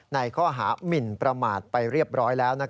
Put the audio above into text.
ในข้อหามินประมาทไปเรียบร้อยแล้ว